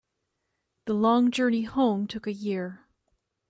The long journey home took a year.